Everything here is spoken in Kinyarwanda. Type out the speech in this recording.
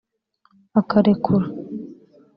akarekura